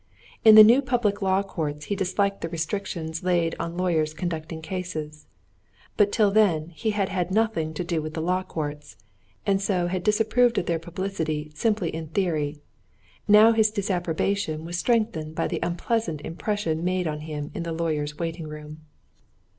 In the new public law courts he disliked the restrictions laid on the lawyers conducting cases. But till then he had had nothing to do with the law courts, and so had disapproved of their publicity simply in theory; now his disapprobation was strengthened by the unpleasant impression made on him in the lawyer's waiting room.